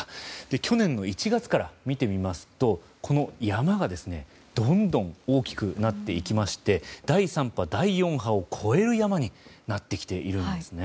去年の１月から見てみますとこの山がどんどん大きくなっていきまして第３波、第４波を超える山になってきているんですね。